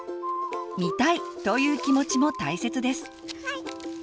「見たい！」という気持ちも大切です。